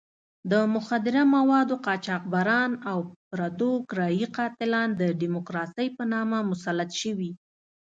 د مخدره موادو قاچاقبران او پردو کرایي قاتلان د ډیموکراسۍ په نامه مسلط شوي.